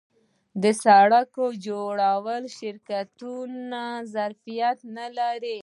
د سرک جوړولو شرکتونه ظرفیت لري؟